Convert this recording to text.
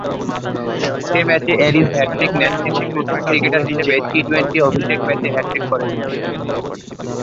সে ম্যাচে Ellis hat trick নেন এবং প্রথম ক্রিকেটার হিসেবে টি-টোয়েন্টি অভিষেক ম্যাচে হ্যাটট্রিক করেন।